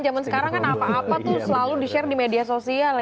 zaman sekarang kan apa apa tuh selalu di share di media sosial ya